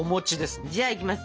じゃあいきます。